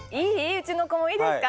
うちの子もいいですか？